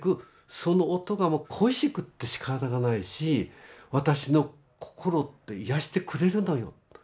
その音がもう恋しくってしかたがないし私の心を癒やしてくれるのよ」と。